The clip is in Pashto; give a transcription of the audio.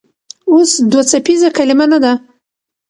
اوس دوه څپیزه کلمه نه ده.